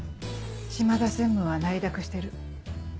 島田専務は内諾してる。